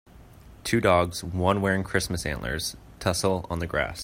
Two dogs, one wearing christmas antlers, tussle on the grass.